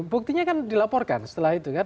buktinya kan dilaporkan setelah itu kan